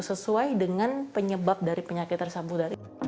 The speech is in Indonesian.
sesuai dengan penyebab dari penyakit tersebut